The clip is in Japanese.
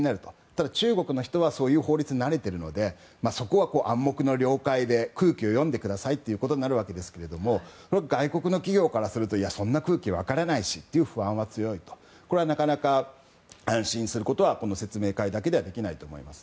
ただ、中国の人はそういう法律に慣れていてそこは暗黙の了解で空気を読んでくださいとなるわけですけども外国の企業からするとそんな空気、分からないしということでこれはなかなか安心することはこの説明会だけではできないと思います。